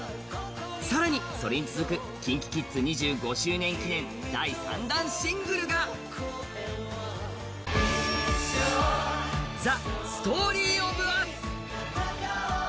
更にそれに続くＫｉｎＫｉＫｉｄｓ２５周年記念第３弾シングルが「ＴｈｅＳｔｏｒｙｏｆＵｓ」。